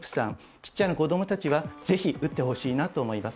ちっちゃな子どもたちはぜひ打ってほしいなと思います。